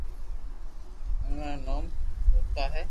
آٺوا رو نوم سآتا ھي